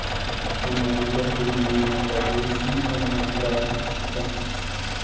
Anárita tumu napawisi omáwarichi ko.